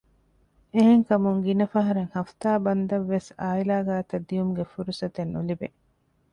އެހެން ކަމުން ގިނަ ފަހަރަށް ހަފުތާ ބަންދަށް ވެސް އާއިލާ ގާތަށް ދިއުމުގެ ފުރުސަތެއް ނުލިބޭ